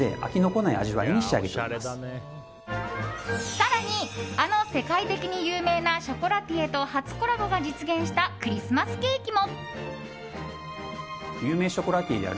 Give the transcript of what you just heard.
更に、あの世界的に有名なショコラティエと初コラボが実現したクリスマスケーキも。